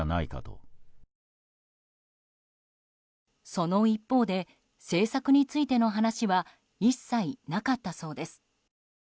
その一方で政策についての話は一切なかったそうです。